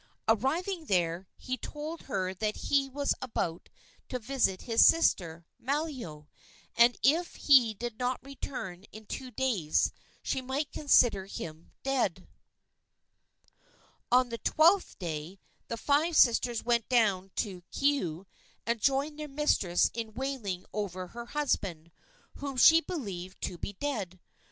Arriving there, he told her that he was about to visit his sister, Malio, and if he did not return in two days she might consider him dead. On the twelfth day the five sisters went down to Keaau and joined their mistress in wailing over her husband, whom she believed to be dead.